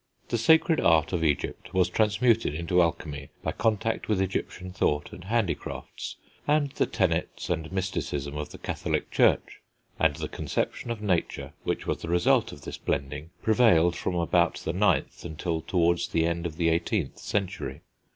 The sacred art of Egypt was transmuted into alchemy by contact with European thought and handicrafts, and the tenets and mysticism of the Catholic Church; and the conception of nature, which was the result of this blending, prevailed from about the 9th until towards the end of the 18th century.